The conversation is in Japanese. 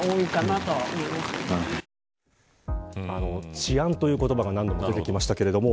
治安という言葉が何度も出てきましたけれども